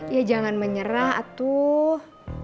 ya jangan menyerah tuh